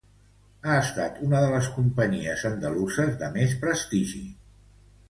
Ha estat una de les companyies andaluses de més prestigi.